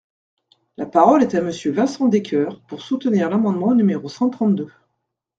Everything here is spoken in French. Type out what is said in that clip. La parole est à Monsieur Vincent Descoeur, pour soutenir l’amendement numéro cent trente-deux.